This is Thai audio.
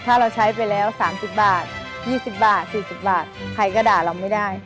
ถ้าเราใช้ไปแล้ว๓๐บาท๒๐บาท๔๐บาทใครก็ด่าเราไม่ได้